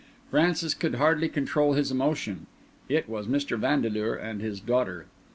Francis could hardly control his emotion. It was Mr. Vandeleur and his daughter.